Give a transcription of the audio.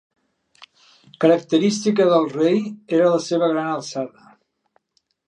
Característica del rei era la seva gran alçada.